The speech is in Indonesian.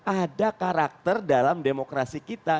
ada karakter dalam demokrasi kita